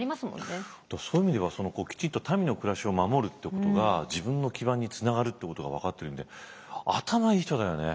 そういう意味ではきちっと民の暮らしを守るってことが自分の基盤につながるってことが分かってるんで頭いい人だよね。